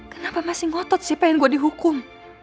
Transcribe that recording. kenapa masih ngotot sih pengen gue dihukum